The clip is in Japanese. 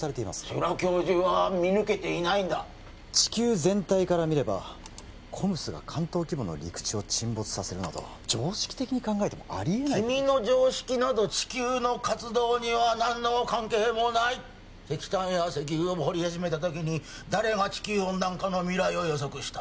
世良教授は見抜けていないんだ地球全体からみればＣＯＭＳが関東規模の陸地を沈没させるなど常識的に考えてもありえない君の常識など地球の活動には何の関係もない石炭や石油を掘り始めた時に誰が地球温暖化の未来を予測した？